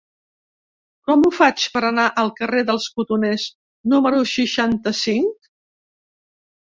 Com ho faig per anar al carrer dels Cotoners número seixanta-cinc?